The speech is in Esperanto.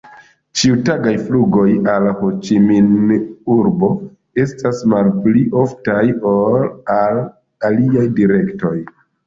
Ĉiutagaj flugoj al Ho-Ĉi-Min-urbo estas malpli oftaj ol al aliaj direktoj.